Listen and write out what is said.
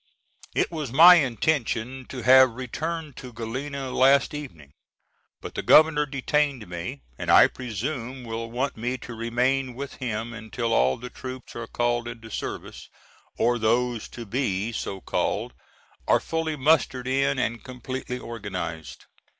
It was my intention to have returned to Galena last evening, but the Governor detained me, and I presume will want me to remain with him until all the troops are called into service, or those to be so called, are fully mustered in and completely organized.